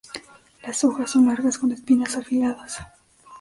Las hojas son largas con espinas afiladas.